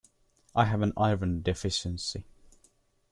I have an iron deficiency.